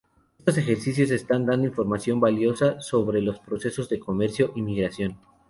Estos ejercicios están dando información valiosa sobre los procesos de comercio y migración.